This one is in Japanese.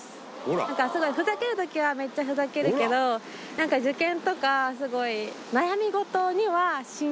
なんかすごいふざける時はめっちゃふざけるけどなんかああ嬉しい！